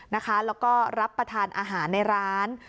แล้วก็รับประทานอาหารในร้าน